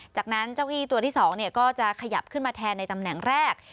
จากนั้นเจ้าที่ตัวที่๒ก็จะขยับขึ้นมาแทนในตำแหน่งแรก